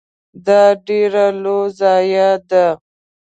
دا ډیره لوی ضایعه ده .